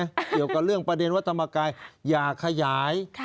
เกี่ยวกับเรื่องประเด็นวัฒนธรรมกายอย่าขยาย